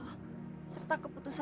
kalau kamu bisa